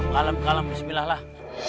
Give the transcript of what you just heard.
kalem kalem bismillah lah